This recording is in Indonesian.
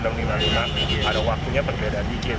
ada waktunya perbedaan dikit